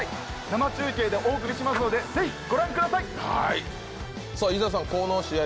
生中継でお送りしますのでぜひご覧ください！